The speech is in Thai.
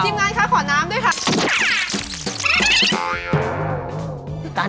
งานคะขอน้ำด้วยค่ะ